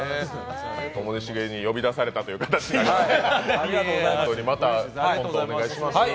ともしげに呼び出されたという形になりました。